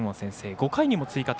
５回にも追加点。